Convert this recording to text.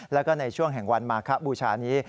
แล้วก็ในช่วงแห่งวันมาคบูชานี้